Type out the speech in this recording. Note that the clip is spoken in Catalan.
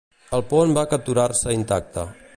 El pont va capturar-se intacte.